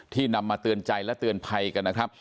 นำมาเตือนใจและเตือนภัยกันนะครับ